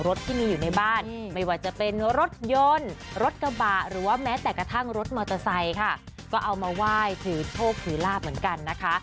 รถกระบะหรือว่าแม้แต่กระทั่งรถมอเตอร์ไซค่ะก็เอามาไหว้ถือโชคถือลาบเหมือนกันนะคะ